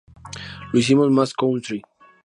La hicimos más country.